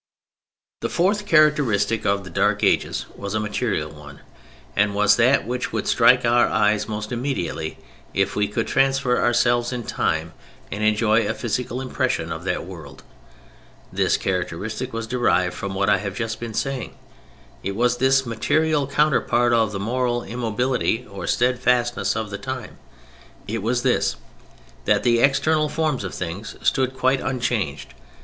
The fourth characteristic of the Dark Ages was a material one, and was that which would strike our eyes most immediately if we could transfer ourselves in time, and enjoy a physical impression of that world. This characteristic was derived from what I have just been saying. It was the material counterpart of the moral immobility or steadfastness of the time. It was this: that the external forms of things stood quite unchanged.